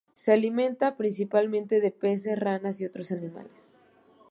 Se alimenta principalmente de peces, ranas y otros animales.